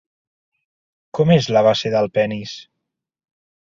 Com és la base del penis?